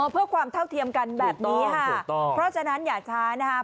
เพื่อความเท่าเทียมกันแบบนี้ค่ะเพราะฉะนั้นอย่าช้านะครับ